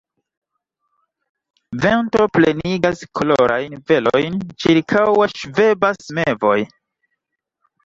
Vento plenigas kolorajn velojn, ĉirkaŭe ŝvebas mevoj.